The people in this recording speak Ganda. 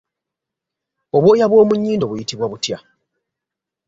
Obw'oya bw’omu nyindo buyitibwa butya?